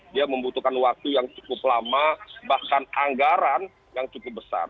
dia membutuhkan waktu yang cukup lama bahkan anggaran yang cukup besar